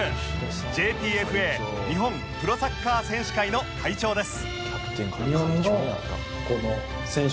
ＪＰＦＡ 日本プロサッカー選手会の会長です